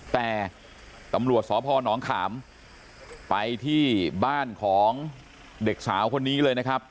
แต่ตำรวจสพนขามไปที่บ้านของเด็กสาวคนนี้เลยนะครับ